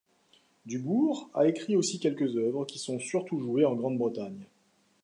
Dubourg a écrit aussi quelques œuvres qui sont surtout jouées en Grande-Bretagne.